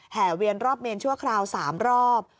เวียนรอบเมนชั่วคราว๓รอบ